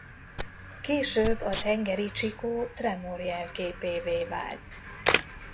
Később a tengeri csikó Tramore jelképévé vált.